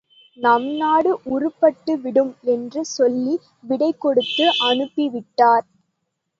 நம்நாடு உருப்பட்டுவிடும். என்று சொல்லி, விடை கொடுத்து அனுப்பிவிட்டார்.